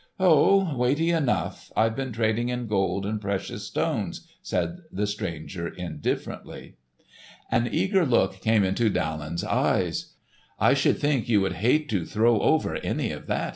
"Oh, weighty enough; I've been trading in gold and precious stones," said the stranger indifferently. An eager look came into Daland's eyes. "I should think you would hate to throw over any of that!"